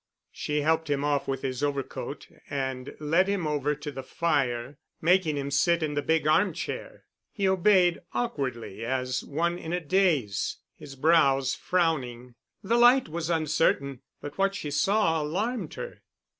She helped him off with his overcoat and led him over to the fire, making him sit in the big arm chair. He obeyed awkwardly, as one in a daze, his brows frowning. The light was uncertain, but what she saw alarmed her.